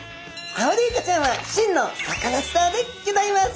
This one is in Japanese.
アオリイカちゃんは真のサカナスターでギョざいます！